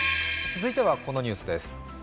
続いてはこのニュースです。